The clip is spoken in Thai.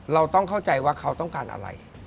เราต้องเข้าใจว่าเขาต้องการอะไร